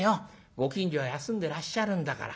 ご近所は休んでらっしゃるんだから。